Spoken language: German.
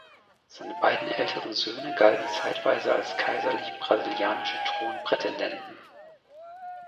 Seine beiden älteren Söhne galten zeitweise als kaiserlich brasilianische Thronprätendenten.